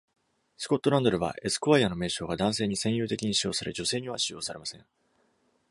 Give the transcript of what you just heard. スコットランドでは、エスクワイアの名称が男性に占有的に使用され、女性には使用されません。